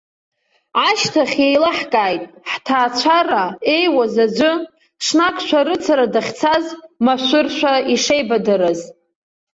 Ашьҭахь еилаҳкааит, ҳҭаацәара еиуаз аӡәы, ҽнак шәарыцара дахьцаз, машәыршәа ишеибадырыз.